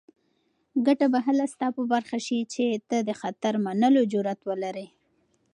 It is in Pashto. ګټه به هله ستا په برخه شي چې ته د خطر منلو جرات ولرې.